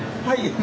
はい。